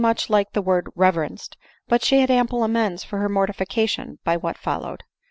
379 * much fike the w(M*d reverenced; but she had ample amends for her mortification by what followed.